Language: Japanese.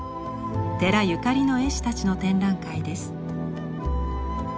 寺ゆかりの絵師たちの展覧会です。